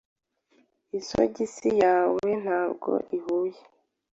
Isogisi yawe ntabwo ihuye.